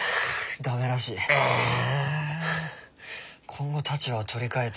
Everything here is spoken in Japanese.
今後立場を取り替えて。